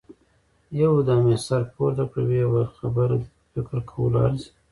يودم يې سر پورته کړ، ويې ويل: خبره دې په فکر کولو ارزي.